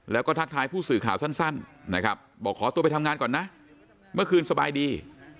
แล้วก็ทักทายผู้สื่อข่าวสั้นนะครับบอกขอตัวไปทำงานก่อนนะเมื่อคืนสบายดี